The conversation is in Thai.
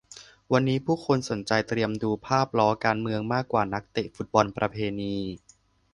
วันนี้ผู้คนสนใจเตรียมดูภาพล้อการเมืองมากกว่านักเตะฟุตบอลประเพณี